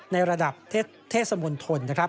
ในระดับเทศมนตรนะครับ